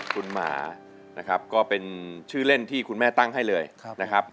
คุณหมานะครับก็เป็นชื่อเล่นที่คุณแม่ตั้งให้เลยนะครับ